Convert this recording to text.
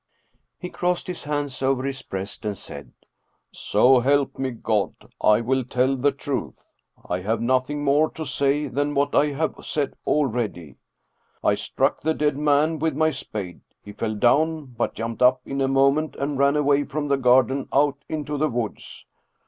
He crossed his hands over his breast and said, " So help me God, I will tell the truth. I have nothing more to say than what I have said already. I struck the dead man with my spade. He fell down, but jumped up in a moment and ran away from the garden out into the woods.